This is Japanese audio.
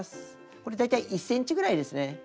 これ大体１ｃｍぐらいですね。